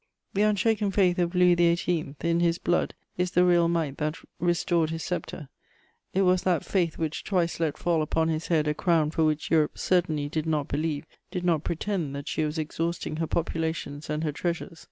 The unshaken faith of Louis XVIII. in his blood is the real might that restored his sceptre; it was that faith which twice let fall upon his head a crown for which Europe certainly did not believe, did not pretend that she was exhausting her populations and her treasures.